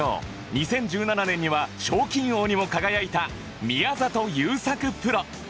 ２０１７年には賞金王にも輝いた宮里優作プロ